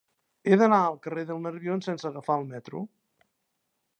He d'anar al carrer del Nerbion sense agafar el metro.